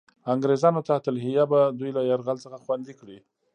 انګرېزانو تحت الحیه به دوی له یرغل څخه خوندي کړي.